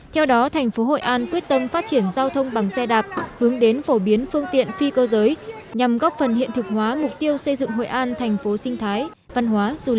theo đó thành phố hội an quyết tâm phát triển giao thông bằng xe đạp hướng đến phổ biến phương tiện phi cơ giới nhằm góp phần hiện thực hóa mục tiêu xây dựng hội an thành phố sinh thái văn hóa du lịch